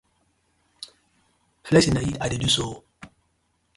Flexing na it I dey so ooo.